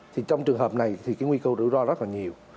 thì trong trường hợp này thì cái nguy cơ rủi ro rất là nhiều